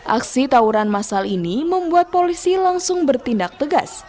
aksi tawuran masal ini membuat polisi langsung bertindak tegas